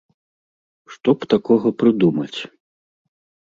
Што б такога прыдумаць?